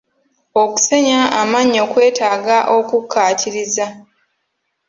Okusenya amannyo kwetaaga okukkaatiriza.